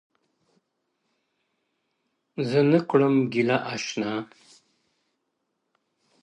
o زه نه كړم گيله اشــــــــــــنا ـ